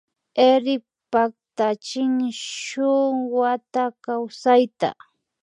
Erik paktachin shun wata kawsayta